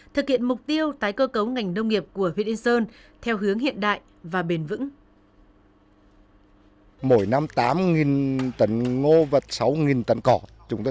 thực hiện mục tiêu tái cơ cấu ngành nông nghiệp của huyện yên sơn theo hướng hiện đại và bền vững